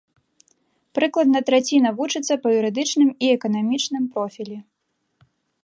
Прыкладна траціна вучыцца па юрыдычным і эканамічным профілі.